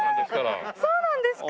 ええそうなんですか！